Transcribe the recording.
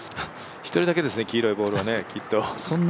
１人だけですね、黄色いボールは。